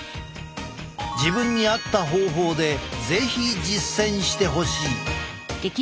自分に合った方法で是非実践してほしい。